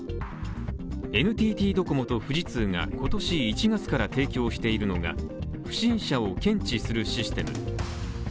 ＮＴＴドコモと富士通が今年１月から提供しているのが不審者を検知するシステム。